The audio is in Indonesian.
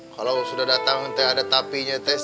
kalau sudah datang teh ada tapi nya teh